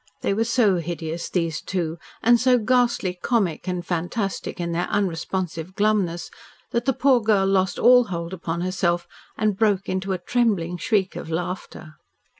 They were so hideous, these two, and so ghastly comic and fantastic in their unresponsive glumness, that the poor girl lost all hold upon herself and broke into a trembling shriek of laughter.